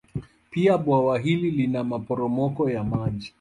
Pia bwawa hili lina maporomoko ya maji